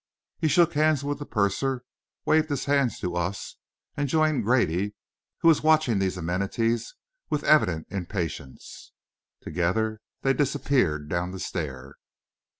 He shook hands with the purser, waved his hand to us, and joined Grady, who was watching these amenities with evident impatience. Together they disappeared down the stair.